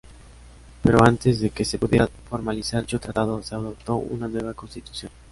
Pero antes de que se pudiera formalizar dicho tratado se adoptó una nueva constitución.